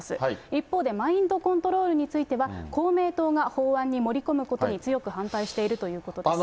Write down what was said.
一方で、マインドコントロールについては、公明党が法案に盛り込むことに強く反対しているということです。